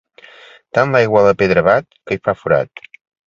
Tant l'aigua a la pedra bat que hi fa forat.